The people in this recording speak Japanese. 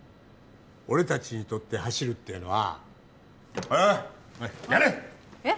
俺達にとって走るっていうのはおいおいやれえっ？